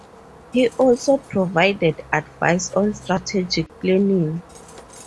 He also provided advice on strategic planning.